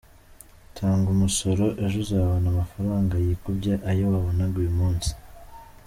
Tanga umusoro, ejo uzabona amafaranga yikubye ayo wabonaga uyu munsi.”